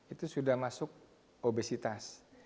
itu sudah masuk obesitas